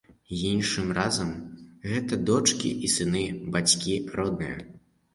Іншым разам гэта дочкі і сыны, бацькі, родныя.